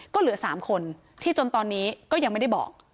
ก็เหลือ๓คนที่จนตอนนี้ก็ยังไม่ได้บอก